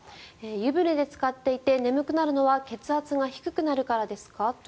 湯船でつかっていて眠くなるのは血圧が低くなるからですか？